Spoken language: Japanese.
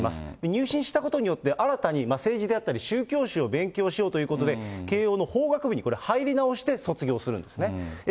入信したことによって、新たに政治であったり、宗教史を勉強しようということで、慶應の法学部に入り直して卒業するんですね。